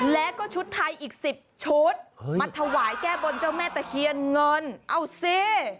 แล้วก็ชุดไทยอีก๑๐ชุดมาถวายแก้บนเจ้าแม่ตะเคียนเงินเอาสิ